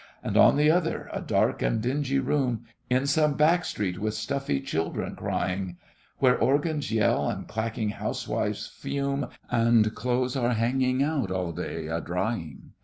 And on the other, a dark and dingy room, In some back street with stuffy children crying, Where organs yell, and clacking housewives fume, And clothes are hanging out all day a drying.